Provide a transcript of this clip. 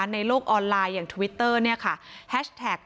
ในโลกออนไลน์อย่างทวิตเตอร์เนี่ยค่ะแฮชแท็ก